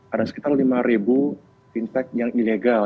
ada sekitar lima fintech yang ilegal